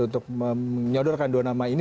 untuk menyodorkan dua nama ini